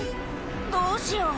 「どうしよう？